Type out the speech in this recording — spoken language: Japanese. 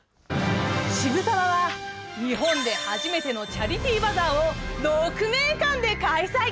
渋沢は日本で初めてのチャリティーバザーを鹿鳴館で開催。